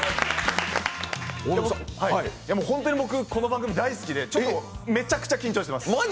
本当に、僕この番組大好きでめちゃくちゃ緊張しています。